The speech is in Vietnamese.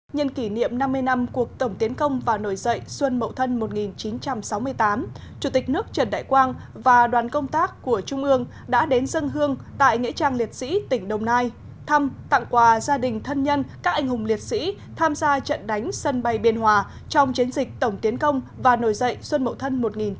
nhân kỷ niệm năm mươi năm cuộc tổng tiến công và nổi dậy xuân mậu thân một nghìn chín trăm sáu mươi tám chủ tịch nước trần đại quang và đoàn công tác của trung ương đã đến dân hương tại nghệ trang liệt sĩ tỉnh đồng nai thăm tặng quà gia đình thân nhân các anh hùng liệt sĩ tham gia trận đánh sân bay biên hòa trong chiến dịch tổng tiến công và nổi dậy xuân mậu thân một nghìn chín trăm sáu mươi tám